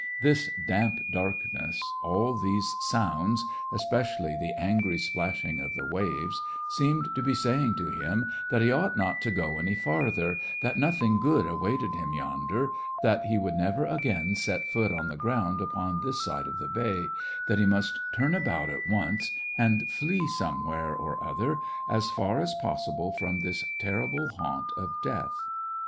This damp darkness, all these sounds, especially the angry splashing of the waves, seemed to be saying to him that he ought not to go any farther, that nothing good awaited him yonder, that he would never again set foot on the ground upon this side of the bay, that he must turn about at once, and flee somewhere or other, as far as pos sible from this terrible haunt of death.